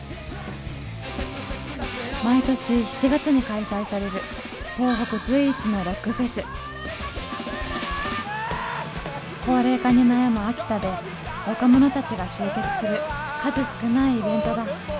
毎年７月に開催される高齢化に悩む秋田で若者たちが集結する数少ないイベントだ。